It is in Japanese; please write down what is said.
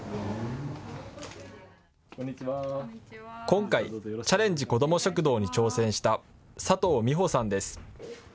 今回、チャレンジこども食堂に挑戦した佐藤美保さんです。